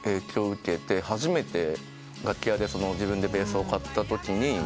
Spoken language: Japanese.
初めて楽器屋で自分でベースを買ったときに。